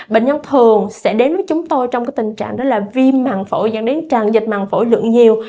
bệnh nhân thường sẽ đến với chúng tôi trong tình trạng viêm màng phổi dẫn đến tràn dịch màng phổi lượng nhiều